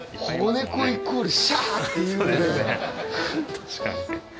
確かに。